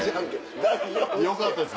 よかったです